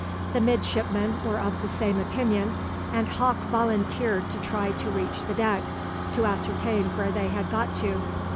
The midshipmen were of the same opinion, and Hawke volunteered to try to reach the deck, to ascertain where they had got to.